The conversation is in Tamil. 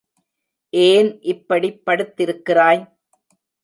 ஏன் இப்படிப் படுத்திருக்கிறாய்?